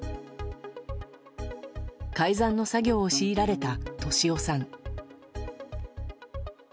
改ざんの作業を強いられた俊夫さん。